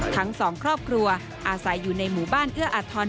ทั้งสองครอบครัวอาศัยอยู่ในหมู่บ้านเอื้ออาทร